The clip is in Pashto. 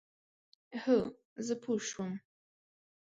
هو، زه پوه شوم،